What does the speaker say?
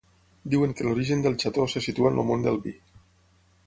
Diuen que l’origen del xató se situa en el món del vi.